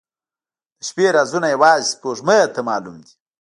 • د شپې رازونه یوازې سپوږمۍ ته معلوم دي.